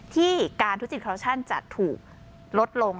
ที่การทุจริตคอลชั่นจะถูกลดลง